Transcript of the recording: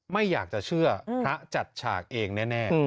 ไม่อยากจะเชื่อพระจัดฉากเองแน่